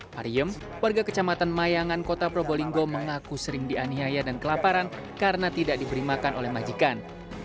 pariem warga kecamatan mayangan kota probolinggo mengaku sering dianiaya dan kelaparan karena tidak diberi makan oleh majikan